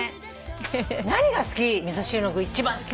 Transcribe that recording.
何が好き？